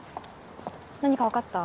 何か分かった？